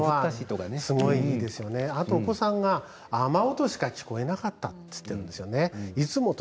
あと、お子さんが雨音しか聞こえなかったと言っているんですよね。